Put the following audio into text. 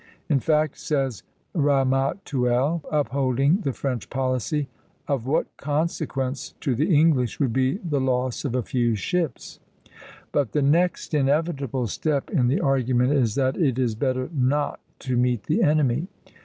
"In fact," says Ramatuelle, upholding the French policy, "of what consequence to the English would be the loss of a few ships?" But the next inevitable step in the argument is that it is better not to meet the enemy.